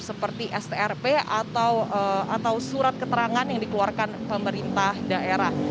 seperti strp atau surat keterangan yang dikeluarkan pemerintah daerah